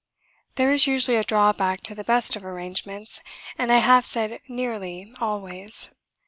There is usually a drawback to the best of arrangements, and I have said 'nearly' always.